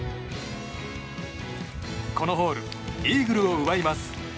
このホールイーグルを奪います。